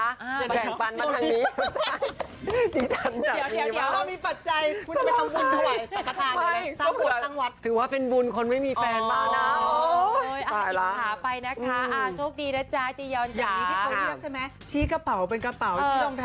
พี่เค้าเรียกใช่ไหมชี้กระเป๋าเป็นกระเป๋าชี้รองเท้าเป็นรองเท้า